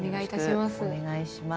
お願いいたします。